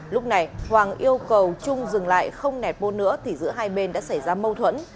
lúc này hoàng yêu cầu trung dừng lại không nẹt bô nữa thì giữa hai bên đã xảy ra mâu thuẫn